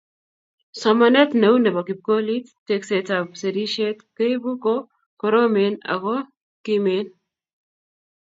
Somanet neu nebo kipkolit, teksetab, ak serisiet keibu ko koromen ako kimen